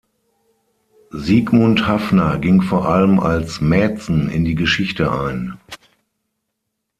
Sigmund Haffner ging vor allem als Mäzen in die Geschichte ein.